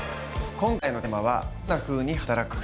今回のテーマは「どんなふうに働くか」。